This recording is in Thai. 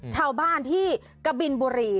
ชาวบ้านที่กะบินบุรี